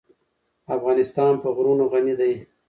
افغانستان په غرونه غني دی.